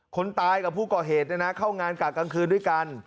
คนตายกับผู้ก่อเหตุเข้างานกะกลางคืนด้วยกัน